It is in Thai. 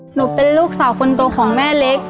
หนูเป็นลูกสาวคนโตของแม่เล็ก